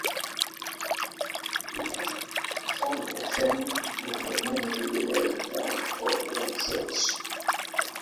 He first found fame as the main video director for Roxette.